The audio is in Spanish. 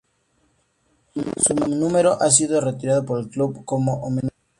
Su número ha sido retirado por el club como homenaje.